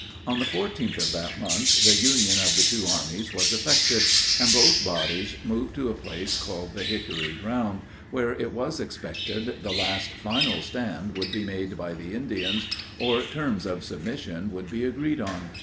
On the 14th of that month, the union of the two armies was effected, and both bodies moved to a place called the Hickory Ground, where, it was expected, the last final stand would be made by the Indians, or terms of submission would be agreed on.